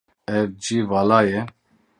Ev cî vala ye?